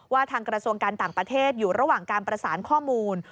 ทางกระทรวงการต่างประเทศอยู่ระหว่างการประสานข้อมูล